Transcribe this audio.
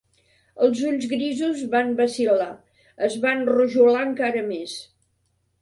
Els ulls grisos van vacil·lar, es va enrojolar encara més.